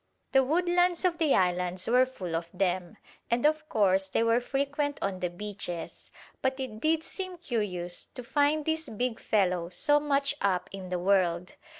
The woodlands of the islands were full of them, and of course they were frequent on the beaches; but it did seem curious to find this big fellow so much up in the world.